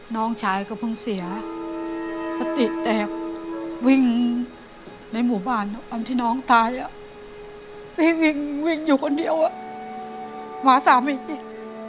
น้องชายก็เพิ่งเสียสติแตกวิ่งในหมู่บ้านวันที่น้องตายไปวิ่งวิ่งอยู่คนเดียวมาสามีอีก